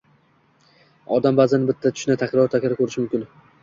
Odam baʼzan bitta tushni takror-takror koʻrishi mumkin.